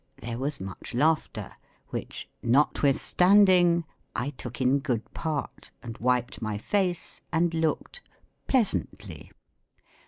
there was much laughter, which, notwithstand ing, I took in good part, and wiped my face and looked pleasantly.